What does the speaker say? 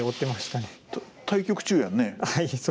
対局中やんね？